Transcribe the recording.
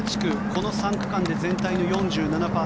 この３区間で全体の４７％。